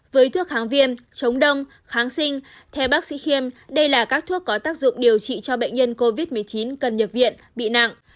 với thuốc kháng viêm chống đông kháng sinh theo bác sĩ khiêm đây là các thuốc có tác dụng điều trị cho bệnh nhân covid một mươi chín cần nhập viện bị nặng